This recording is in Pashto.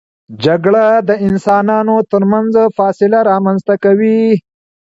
جګړه د انسانانو ترمنځ فاصله رامنځته کوي.